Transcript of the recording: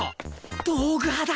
道具派だ！